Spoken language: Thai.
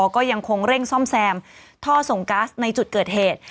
ก็ยังคงเร่งซ่อมแซมท่อส่งก๊าซในจุดเกิดเหตุ